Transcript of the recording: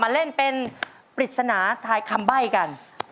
เล่นเป็นปริศนาทายคำใบ้กัน